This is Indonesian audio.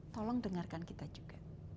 tolong dengarkan kita juga